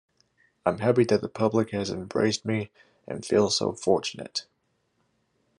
I'm happy that the public has embraced me and feel so fortunate...